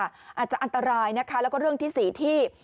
อาจจะอันตรายนะคะแล้วก็เรื่องที่๔ที่